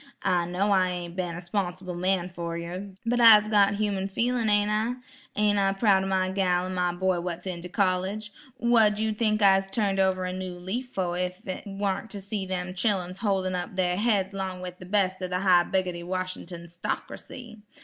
I know I ain't been a 'sponsible man fer yer, but I'se got human feelin', ain't I? Ain't I proud o' my gal an' my boy what's in de college? Wha' you tink I'se turned over a new leaf fo' ef it warn't to see them chilluns holdin' up dar heads 'long wif de bes' ob de high biggotty Wash'nt'n 'stockracy?